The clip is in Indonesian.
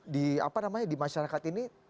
di apa namanya di masyarakat ini